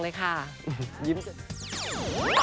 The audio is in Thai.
เจนี่กับมิกกี้จะแต่งงานกันนะคะ